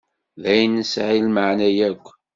D ayen nesεi lmeεna yakk.